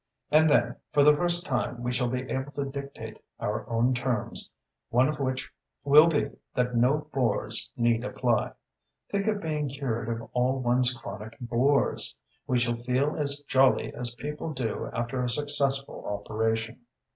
And then, for the first time we shall be able to dictate our own terms, one of which will be that no bores need apply. Think of being cured of all one's chronic bores! We shall feel as jolly as people do after a successful operation.